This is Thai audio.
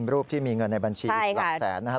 รูปที่มีเงินในบัญชีอีกหลักแสนนะครับ